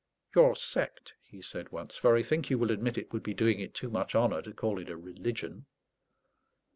"Your sect," he said once; "for I think you will admit it would be doing it too much honour to call it a religion."